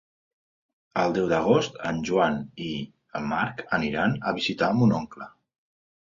El deu d'agost en Joan i en Marc aniran a visitar mon oncle.